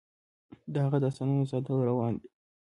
د هغه داستانونه ساده او روان دي.